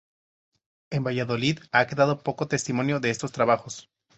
En Valladolid ha quedado poco testimonio de estos trabajos.